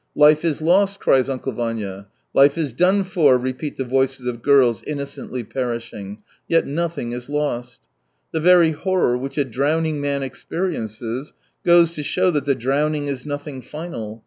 ' Life is lost,' cries Uncle Vanya, ' Life is done for,' repeat the voices of girls innocently perishing — yet nothing is lost. The very horror which a drowning man experiences goes to show that the drowning is nothing final.